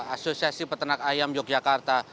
asosiasi peternak ayam yogyakarta